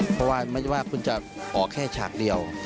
เพราะว่าไม่ใช่ว่าคุณจะออกแค่ฉากเดียว